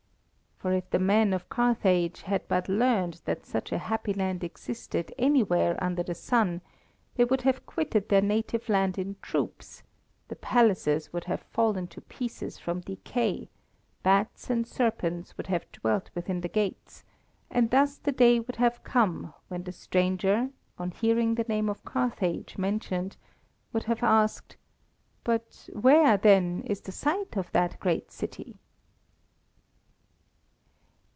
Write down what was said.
For if the men of Carthage had but learned that such a happy land existed anywhere under the sun, they would have quitted their native land in troops, the palaces would have fallen to pieces from decay, bats and serpents would have dwelt within the gates, and thus the day would have come when the stranger, on hearing the name of Carthage mentioned, would have asked: "But where, then, is the site of that great city?"